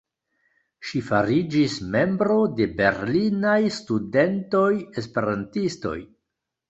Ŝi fariĝis membro de Berlinaj Studentoj-Esperantistoj.